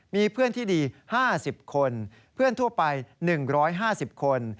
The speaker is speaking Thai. มีเพื่อนที่ดี๕๐คนเพื่อนทั่วไป๑๕๐คน